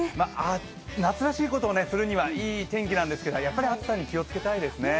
夏らしいことをするにはいい天気なんですけど、やっぱり暑さに気をつけたいですね。